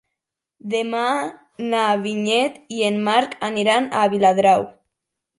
Demà na Vinyet i en Marc aniran a Viladrau.